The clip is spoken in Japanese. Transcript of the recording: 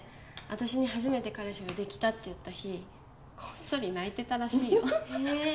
私に初めて彼氏ができたって言った日こっそり泣いてたらしいよへえ